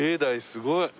すごいね。